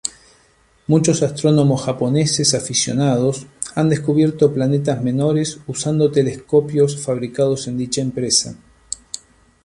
Muchos astrónomos japoneses aficionados han descubierto planetas menores usando telescopios fabricados en dicha empresa.